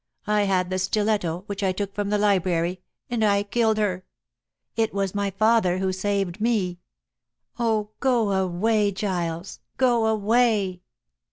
I had the stiletto, which I took from the library, and I killed her. It was my father who saved me. Oh, go away, Giles, go away!"